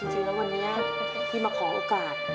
จริงแล้ววันนี้ที่มาขอโอกาส